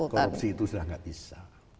korupsi itu sudah tidak bisa